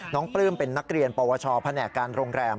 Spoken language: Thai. ปลื้มเป็นนักเรียนปวชแผนกการโรงแรม